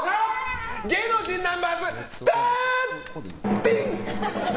芸能人ナンバーズスターティン！